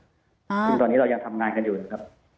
ซึ่งตอนนี้เรายังทำงานกันอยู่นะครับ